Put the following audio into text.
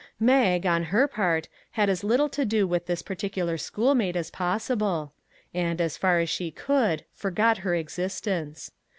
Mag, on her part, had as little to do with this particular schoolmate as possible, and, as far as she could, forgot her existence.